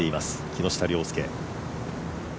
木下稜介。